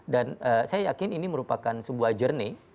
dan saya yakin ini merupakan sebuah journey